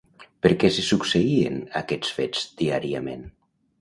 Per què se succeïen aquests fets diàriament?